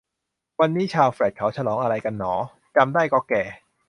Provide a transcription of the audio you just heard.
วันนี้ชาวแฟลตเขาฉลองอะไรกันหนอ จำได้ก็แก่